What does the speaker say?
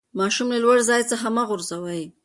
ماشوم له لوړي ځای څخه مه غورځوئ.